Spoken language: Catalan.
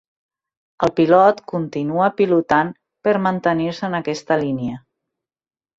El pilot continua pilotant per mantenir-se en aquesta línia.